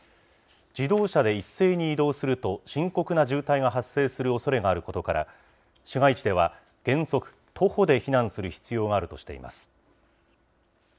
自動車で一斉に移動すると深刻な渋滞が発生するおそれがあることから、市街地では、原則徒歩で避難する必要があるとしています。